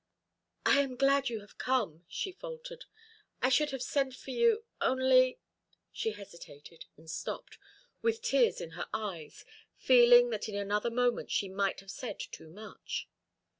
"I am glad you have come," she faltered. "I should have sent for you, only " she hesitated, and stopped, with tears in her eyes, feeling that in another moment she might have said too much.